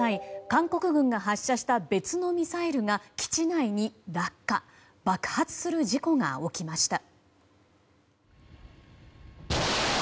韓国軍が発射した別のミサイルが基地内に落下爆発する事故が起きました。